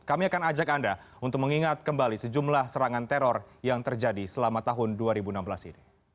kami akan ajak anda untuk mengingat kembali sejumlah serangan teror yang terjadi selama tahun dua ribu enam belas ini